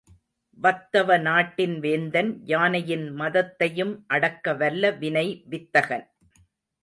வத்தவநாட்டின் வேந்தன், யானையின் மதத்தையும் அடக்க வல்ல வினை வித்தகன்.